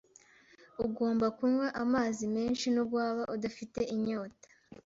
Ugomba kunywa amazi menshi, nubwo waba udafite inyota.